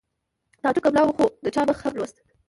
تعجب که ملا و خو د چا مخ هم لوست